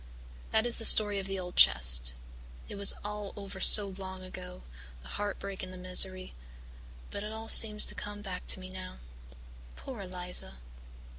"That is the story of the old chest. It was all over so long ago the heartbreak and the misery but it all seems to come back to me now. Poor Eliza!"